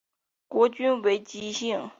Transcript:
国君为姬姓。